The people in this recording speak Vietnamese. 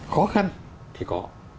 khó khăn thì có